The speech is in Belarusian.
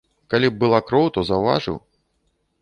Калі б была кроў, то заўважыў.